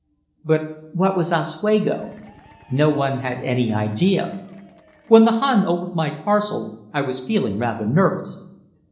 But what was Oswego? No one had any idea. When the Hun opened my parcel, I was feeling rather nervous.